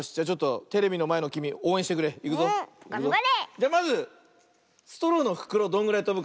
じゃまずストローのふくろどんぐらいとぶか。